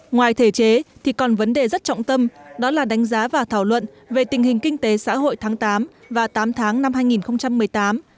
ngoài thể chế thì còn vấn đề rất trọng tâm đó là đánh giá và thảo luận về tình hình kinh tế xã hội tháng tám và tám tháng năm hai nghìn một mươi tám